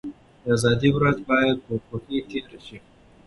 د ازادۍ ورځ بايد په خوښۍ تېره شي.